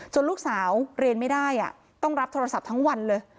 ลูกสาวเรียนไม่ได้ต้องรับโทรศัพท์ทั้งวันเลย